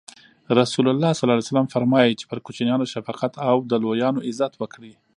رسول الله ص فرمایي: چی پر کوچنیانو شفقت او او د لویانو عزت وکړي.